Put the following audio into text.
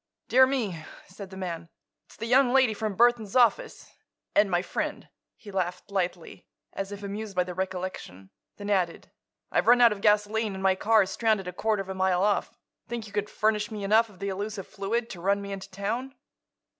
"Dear me!" said the man; "it's the young lady from Burthon's office—and my friend." He laughed, lightly, as if amused by the recollection; then added: "I've run out of gasoline and my car is stranded a quarter of a mile off. Think you could furnish me enough of the elusive fluid to run me into town?"